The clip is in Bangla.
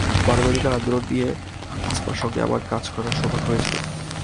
মানবাধিকার আন্দোলন নিয়ে আসমার সঙ্গে আমার কাজ করার সৌভাগ্য হয়েছিল।